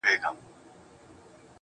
چپ سه چـــپ ســــه نور مــه ژاړه.